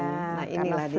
nah inilah di situ